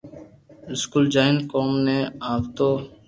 اسڪول جائين ڪوم تي آوتو